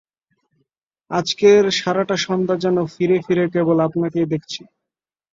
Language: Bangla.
আজকের সারাটা সন্ধ্যা যেন ফিরে ফিরে কেবল আপনাকেই দেখছি।